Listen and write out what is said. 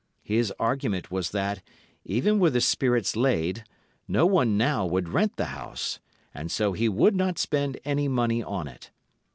His argument was that, even were the spirits 'laid,' no one now would rent the house, and so he would not spend any money on it.